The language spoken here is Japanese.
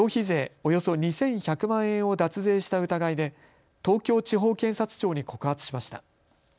およそ２１００万円を脱税した疑いで東京地方検察庁に告発しました。